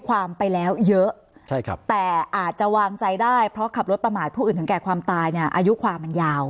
อาจจะวางใจได้เพราะขับรถประหมาศผู้อื่นถึงแก่ความตายอายุความมันยาว